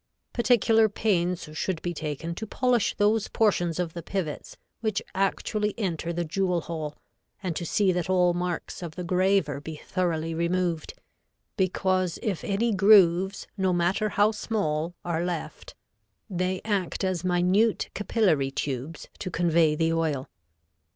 _] Particular pains should be taken to polish those portions of the pivots which actually enter the jewel hole and to see that all marks of the graver be thoroughly removed, because if any grooves, no matter how small, are left, they act as minute capillary tubes to convey the oil.